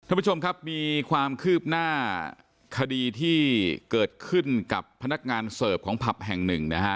ท่านผู้ชมครับมีความคืบหน้าคดีที่เกิดขึ้นกับพนักงานเสิร์ฟของผับแห่งหนึ่งนะฮะ